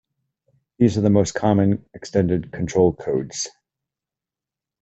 These are the most common extended control codes.